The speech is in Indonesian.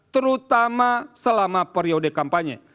terutama selama periode kampanye